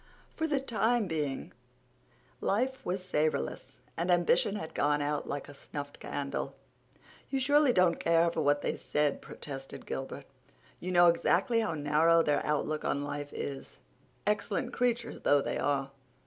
For the time being life was savorless, and ambition had gone out like a snuffed candle. "You surely don't care for what they said," protested Gilbert. "You know exactly how narrow their outlook on life is, excellent creatures though they are.